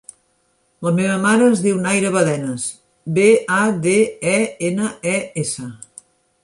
La meva mare es diu Naira Badenes: be, a, de, e, ena, e, essa.